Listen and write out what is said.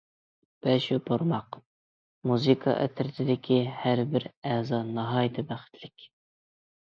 « بەش يوپۇرماق» مۇزىكا ئەترىتىدىكى ھەربىر ئەزا ناھايىتى بەختلىك.